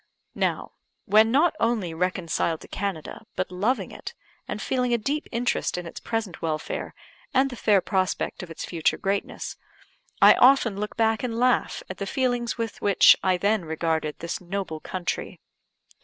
Now, when not only reconciled to Canada, but loving it, and feeling a deep interest in its present welfare, and the fair prospect of its future greatness, I often look back and laugh at the feelings with which I then regarded this noble country.